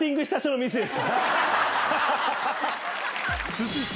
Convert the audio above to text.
［続いて］